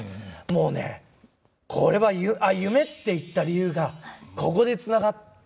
もうねこれは夢って言った理由がここでつながったと思いましたね。